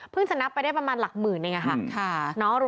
จะนับไปได้ประมาณหลักหมื่นเองค่ะ